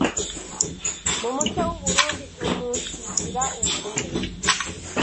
mu muco w’u Burunndi, umunsigira uburere